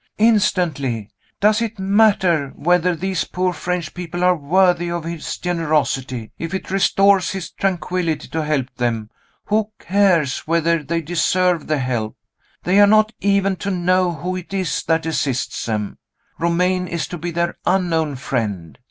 "Instantly! Does it matter whether these poor French people are worthy of his generosity? If it restores his tranquillity to help them, who cares whether they deserve the help? They are not even to know who it is that assists them Romayne is to be their unknown friend.